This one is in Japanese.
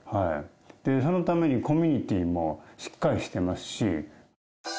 そのために、コミュニティもしっかりしていますし。